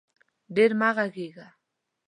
ډېر مه غږېږه